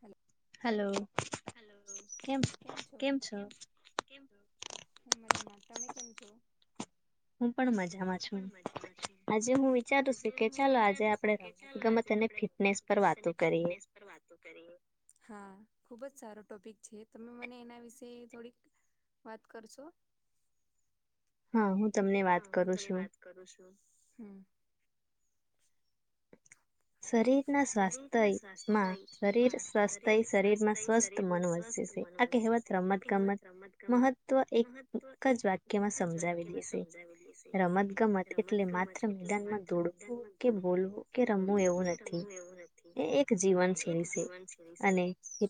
Hello. Hello. Hello, કેમ છો? કેમ કેમ છો? હું મજા માં તમે કેમ છો? હું પણ મજામાં છું. આજે હું વિચારું છુ કે ચાલ આજે આપડે ગમે તને ફિટનેસ પર વાતો કરીએ. હા ખુબ જ સારો ટોપિક છે, તમે મને એના વિશે થોડીક વાત કરશો? હા હું તમને વાત હા, હું તને વાત કરું છું હમમ. શરીર શરીર ના સ્વાસ્થમાં શરીર સ્વાસ્થ્ય શરીરમાં સ્વસ્થ મનો છે. આ કહેવત રમત-ગમત મહત્વ એક જ વાક્યમાં સમજાવી દેશે. રમત-ગમત એટલે માત્ર મેદાનમાં દોડવું કે, બોલવું કે, રમત હું એવું નથી એ એક જીવન જરી છે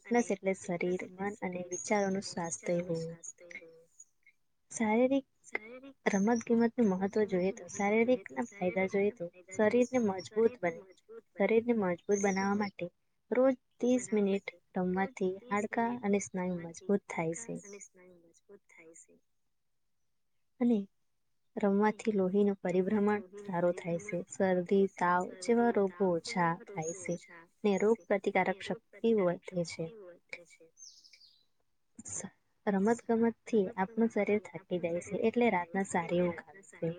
અને એટલે શરીર, મન અને વિચારો નું સ્વાસ્થ્ય હોવું. શારીરિક રમત ગમત નું મહત્વ જોઈએ તો શારીરિક ના ફાયદા જોઈએ તો શરીરને મજબૂત ને મજબૂત બને શરીર ને મજબૂત બનાવવા માટે રોજ તીસ મિનિટ રમવાથી હાડકા અને સ્નાયુ મજબૂત થાય છે. અને રમવાથી લોહી નો પરિભ્રમણ સારો થાય છે. શરદી, તાવ જેવા રોગો જા થાય છે ને રોગ પ્રતિકારક શક્તિઓ વધે છે. એટલે છે. [unintelligible] રમત ગમત થી આપણું શરીર થાકી જાય છે એટલે રાતના સારી ઊંઘ આવે છે.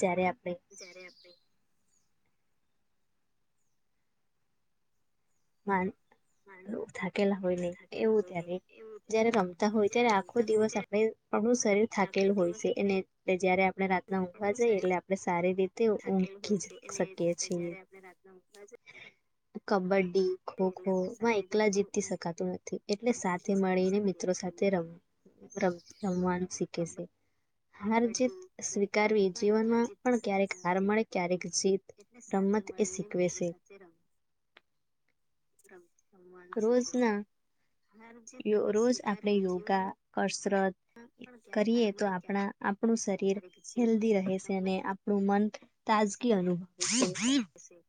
જયારે આપણે જયારે આપણે માન બો થાકેલા હોય ને એવું ત્યારે જયારે રમતા હોય ત્યારે આખો દિવસ આપણે આપણું શરીર થાકેલું હોય છે એને જયારે આપણે રાતના ઊંઘવા જઈએ એટલે આપણે સારી રીત થાકેલૂ હોય સે એટલે જયારે આપણે રાતના ઉઘવા જયે કબડ્ડી ખોખો માં એકલા જીતી શકાતું નથી એટલે સાથે મળીને મિત્રો સાથે રમ રમ રમવાનું શીખે છે. હાર જીત સ્વીકારવી જીવનમાં પણ ક્યારેક હાર મળે, ક્યારેક જીત. રમત એ સીકવે સે. જે રમ રમ રમવાનું શીખે સે. રોજ આપણે યોગા, કસરત કરીએ તો આપણા આપણું શરીર હેલ્ધી રહે છે અને આપણું મન તાજગી અનુભવે છે. સે.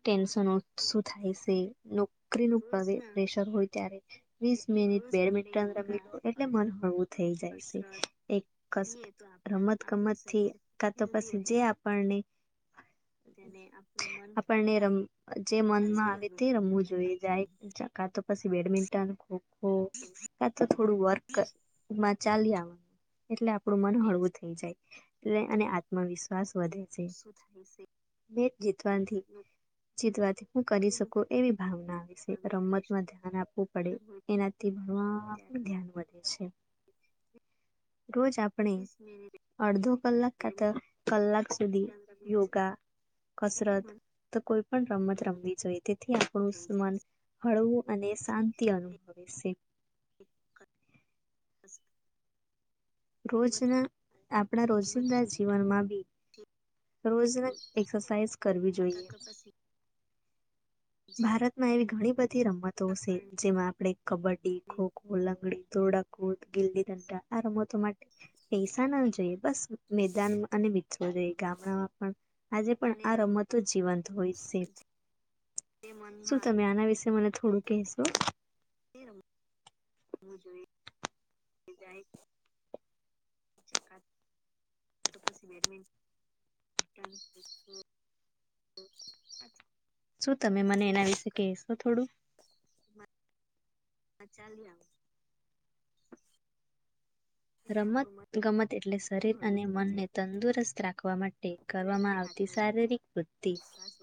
ટેન્શનો શું થાય છે? લોક ક પ્રેશર હોય ત વીસ મિનિટ બેડમિન્ટન રમી લો એટલે મન હળવુ થઈ જાય છે, એક રમત ગમત થી કાતો પછી જે પ તેને આપણને રમ જે મનમાં આવે તે રમવું જોઈએ જાય. કા તો પછી બેડમિન્ટન ખોખો કા તો થોડુ વર્ક કર માં ચાલી આવા એટલે આપડું મન હળવું થઈ જાય એટલે અને આત્મવિશ્વાસ વધે છે. શું થાય છે. મેચ જીતવાથી. જીતવાથી હું કરી શકું એવી ભાવના વિશે રમતમાં ધ્યાન આપવું પડે એનાથી ભણવા ધ્યાન વધે છે, રોજ આપણે અડધો કલાક ખાતા કલાક સુધી યોગા. કસરત કોઈ પણ રમત રમવી જોઈએ, તેથી આપણુંમાન હળવું અને શાંતિ અનુભવે છે. એકસ્ રોજના આપણા રોજિંદા જીવનમાં બી રોજ એક્સરસાાઈઝ કરવી જોઈએ. ભારતમાં એવી ઘણી બધી રમતો છે જેમાં આપણે કબડ્ડી ખોખો લંગડી દોડક દ ગી દ આ રમતો માટે પૈસા ના જોઈએ બસ મેદાન અને ગામડામાં પણ આજે પણ આ રમતો જ જીવંત હોય છે. શું તમે આના વિશે મને થોડું કહેશો એ હું જોઈ જાય. તો પછી બેડમિન્ટ શું તમે મને એના વિશે કહેશો થોડુ. હ ચાાલ રમત ગમત એટલે શરીર અને મનને તંદુરસ્ત રાખવા માટે કરવામાં આવતી શારીરિક તિ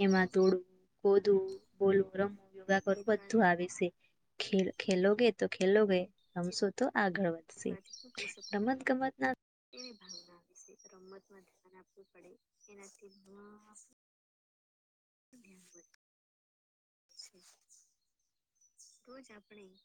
એમાં તોડવુ ગદું બોલવ રમવું યોગા કરું બધું આવે છે, ખ ખેલો કે તો ખેલો ગઈ રમશો તો આગળ વધ એ પ્ રમત ગમત ના એવી ભાવના વિશે રમતમાં ધ્યાન આપવું પડે એનાથી હ ન રોજ આપણે